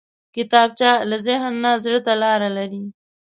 کتابچه له ذهن نه زړه ته لاره لري